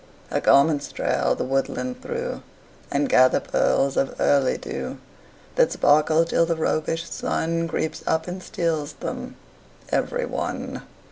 Her garments trail the woodland through, And gather pearls of early dew That sparkle till the roguish Sun Creeps up and steals them every one.